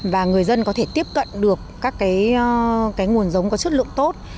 và người dân có thể tiếp cận được các cái nguồn giống có chất lượng tốt